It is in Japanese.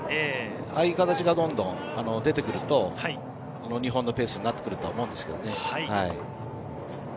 ああいう形がどんどん出てくると日本のペースになってくるとは思うんですけどね。